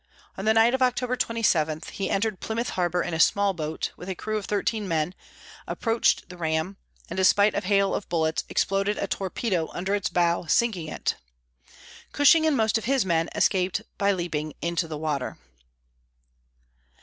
On the night of October 27, he entered Plymouth harbor in a small boat, with a crew of thirteen men, approached the ram, and despite a hail of bullets, exploded a torpedo under its bow, sinking it. Cushing and most of his men escaped by leaping into the water.